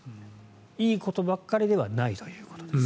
いいことばっかりではないということです。